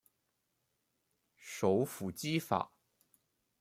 首府基法。